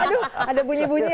aduh ada bunyi bunyian